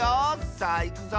さあいくぞ。